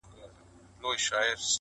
دې لېوني پنځه وارې څيښلي شراب,